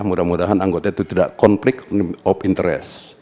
mudah mudahan anggota itu tidak konflik of interest